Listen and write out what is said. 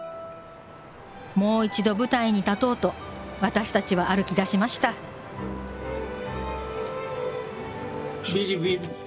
もう一度舞台に立とうと私たちは歩きだしましたビリビリ。